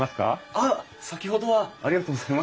あっ先ほどはありがとうございました。